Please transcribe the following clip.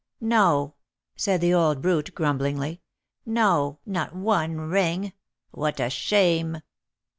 No," said the old brute, grumblingly, "no, not one ring. What a shame!"